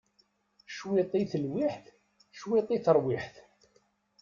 Cwiṭ i telwiḥt cwiṭ i teṛwiḥt!